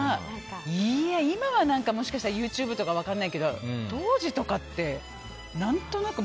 今はもしかしたらＹｏｕＴｕｂｅとか分かんないけど当時とかって何となく。